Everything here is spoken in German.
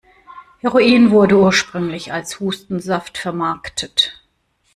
Heroin wurde ursprünglich als Hustensaft vermarktet.